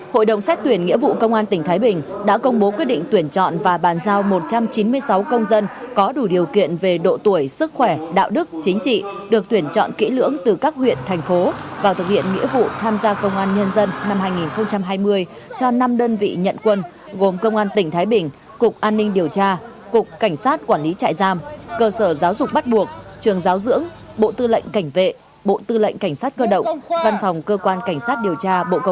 hội đồng xét tuyển nghĩa vụ công an tỉnh thái bình đã công bố quyết định tuyển chọn và bàn giao một trăm chín mươi sáu công dân có đủ điều kiện về độ tuổi sức khỏe đạo đức chính trị được tuyển chọn kỹ lưỡng từ các huyện thành phố vào thực hiện nghĩa vụ tham gia công an nhân dân năm hai nghìn hai mươi cho năm đơn vị nhận quân gồm công an tỉnh thái bình cục an ninh điều tra cục cảnh sát quản lý trại giam cơ sở giáo dục bắt buộc trường giáo dưỡng bộ tư lệnh cảnh vệ bộ tư lệnh cảnh sát cơ động văn phòng cơ quan cảnh